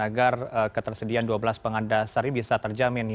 agar ketersediaan dua belas penganda seri bisa terjamin hingga selesai